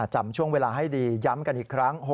จำช่วงเวลาให้ดีย้ำกันอีกครั้ง